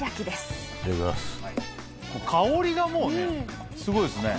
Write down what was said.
香りがもうねすごいですね。